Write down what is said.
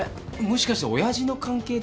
もしかして親父の関係で？